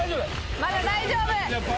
まだ大丈夫！